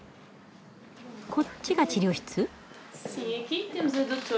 こっちが治療室？